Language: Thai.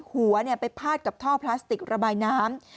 หัวไปพาดกับท่อพลาสติกระบายน้ำ